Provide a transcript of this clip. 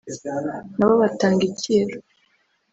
nabo batanga icyiru